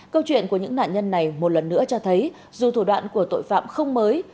câu chuyện của những nạn nhân này một lần nữa cho thấy dù thủ đoạn của tội phạm không mới